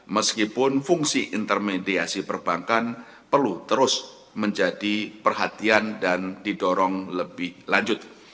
meskipun fungsi intermediasi perbankan perlu terus menjadi perhatian dan didorong lebih lanjut